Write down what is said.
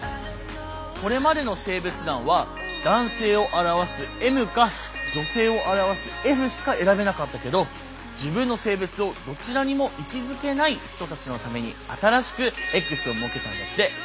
これまでの性別欄は男性を表すＭか女性を表すＦしか選べなかったけど自分の性別をどちらにも位置づけない人たちのために新しくＸを設けたんだって。